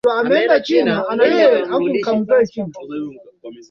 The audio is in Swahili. vinaonekana kutokuwa na thamani ya kimatibabu